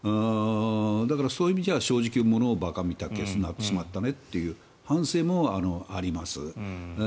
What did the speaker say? だから、そういう意味じゃ正直者が馬鹿を見たケースになってしまったねという反省もあります。